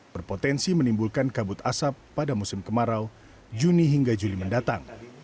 berpotensi menimbulkan kabut asap pada musim kemarau juni hingga juli mendatang